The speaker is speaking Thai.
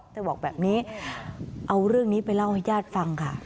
บอกแบบนี้เอาเรื่องนี้ไปเล่าให้ญาติฟังค่ะ